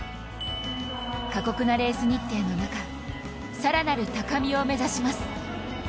過酷なレース日程の中更なる高みを目指します。